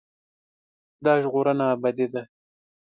دا ژغورنه ابدي ده.